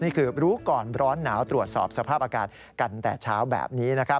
นี่คือรู้ก่อนร้อนหนาวตรวจสอบสภาพอากาศกันแต่เช้าแบบนี้นะครับ